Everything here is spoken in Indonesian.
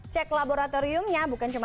cek laboratoriumnya bukan cuma